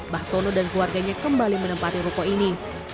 bahtono dan keluarganya kembali menempati ruko ini